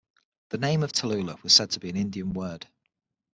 The name of "Tallula" was said to be an Indian word.